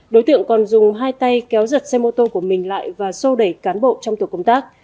đối tượng còn dùng hai tay kéo giật xe mô tô của mình lại và sô đẩy cán bộ trong tổ công tác